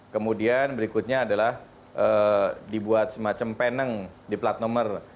kemudian berikutnya adalah dibuat semacam peneng di plat nomor